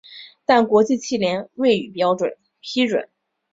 但国际汽联未予批准。